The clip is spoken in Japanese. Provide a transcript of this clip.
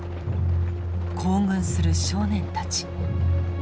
行軍する少年たち。